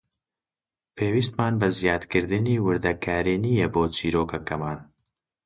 پێویستمان بە زیادکردنی وردەکاری نییە بۆ چیرۆکەکەمان.